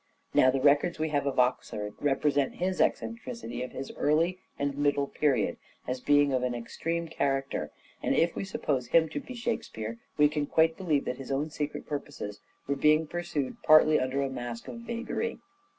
Now the records we have of Oxford represent his eccentricity in his early and middle period as being of an extreme character, and if we suppose him to be Shakespeare, we can quite believe that his own secret purposes were being pursued partly under a mask of vagary.